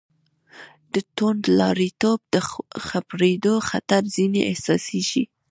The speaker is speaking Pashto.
د توندلاریتوب د خپرېدو خطر ځنې احساسېږي.